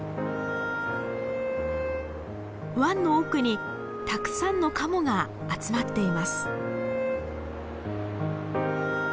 湾の奥にたくさんのカモが集まっています。